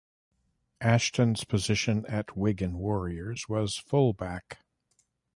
Ashton's position at Wigan Warriors was full-back.